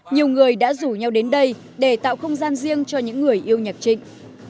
nhiều người đã rủ nhau đến đây để tạo không gian riêng cho những người yêu nhạc trịnh